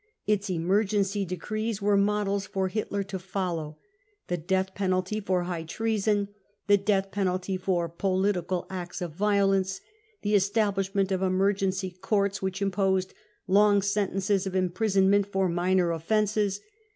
Its emergency decrees were models for Hitler to follow : the death penalty for high treason ; the death penalty for " political acts of violence "; the establishment of emergency courts which imposed long sentences of imprisonment for minor 44 offences.